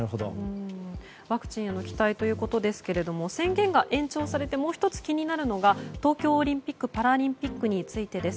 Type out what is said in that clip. ワクチンへの期待ということですが宣言が延長されてもう１つ気になるのが東京オリンピック・パラリンピックについてです。